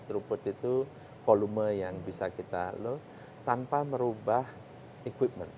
truput itu volume yang bisa kita low tanpa merubah equipment